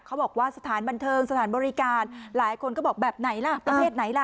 บอกว่าสถานบันเทิงสถานบริการหลายคนก็บอกแบบไหนล่ะประเภทไหนล่ะ